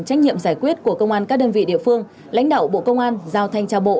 trách nhiệm giải quyết của công an các đơn vị địa phương lãnh đạo bộ công an giao thanh tra bộ